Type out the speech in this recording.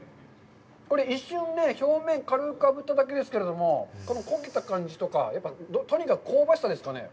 これ、一瞬ね、表面、軽くあぶっただけですけど、焦げた感じとか、とにかく香ばしさですかね。